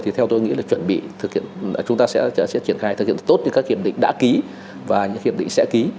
thì theo tôi nghĩ là chúng ta sẽ triển khai thực hiện tốt những hiệp định đã ký và những hiệp định sẽ ký